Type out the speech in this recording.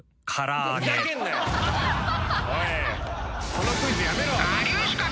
このクイズやめろ！